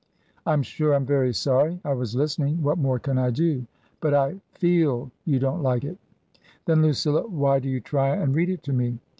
"I'm sure I'm very sorry. I was listening. What more can I do ?" "But I feel yon don't like it." " Then, Lucilla, why do you try and read it to me